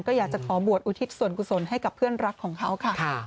ก็อยากจะขอบวชอุทิศส่วนกุศลให้กับเพื่อนรักของเขาค่ะ